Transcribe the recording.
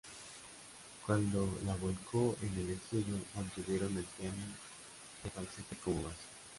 Cuando la volcó en el estudio mantuvieron el piano y el falsete como base.